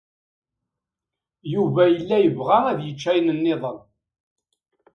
Yuba yella yebɣa ad yečč ayen niḍen.